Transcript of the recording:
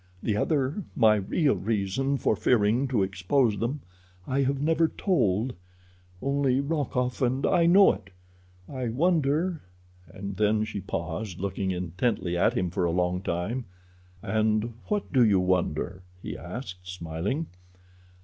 The other, my real reason for fearing to expose them, I have never told—only Rokoff and I know it. I wonder," and then she paused, looking intently at him for a long time. "And what do you wonder?" he asked, smiling.